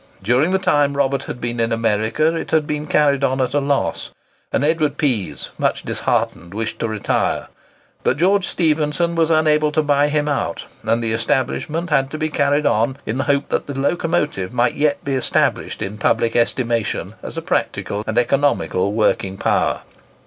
During the time Robert had been in America it had been carried on at a loss; and Edward Pease, much disheartened, wished to retire, but George Stephenson was unable to buy him out, and the establishment had to be carried on in the hope that the locomotive might yet be established in public estimation as a practical and economical working power.